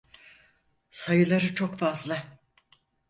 Sayıları çok fazla.